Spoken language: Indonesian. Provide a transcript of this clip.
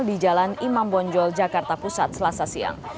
di jalan imam bonjol jakarta pusat selasa siang